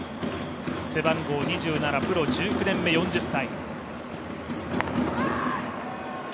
背番号２７、プロ１９年目、４０歳。